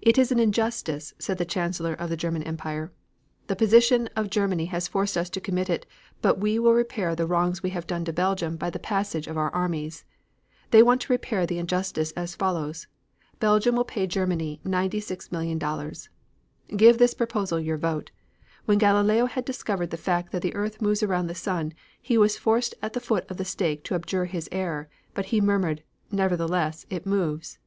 'It is an injustice,' said the Chancellor of the German Empire. 'The position of Germany has forced us to commit it, but we will repair the wrong we have done to Belgium by the passage of our armies.' They want to repair the injustice as follows: Belgium will pay Germany $96,000,000! Give this proposal your vote. When Galileo had discovered the fact that the earth moved around the sun, he was forced at the foot of the stake to abjure his error, but he murmured, 'Nevertheless it moves.'